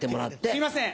すいません！